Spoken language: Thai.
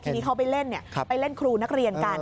ทีนี้เขาไปเล่นครูนักเรียนกัน